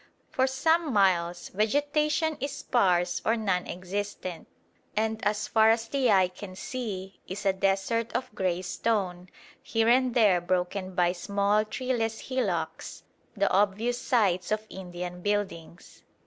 For some miles vegetation is sparse or nonexistent, and as far as the eye can see is a desert of grey stone, here and there broken by small treeless hillocks, the obvious sites of Indian buildings.